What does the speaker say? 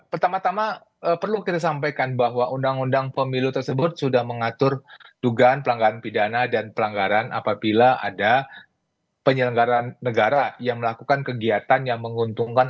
pertama tama perlu kita sampaikan bahwa undang undang pemilu tersebut sudah mengatur dugaan pelanggaran pidana dan pelanggaran apabila ada penyelenggaran negara yang melakukan kegiatan yang menguntungkan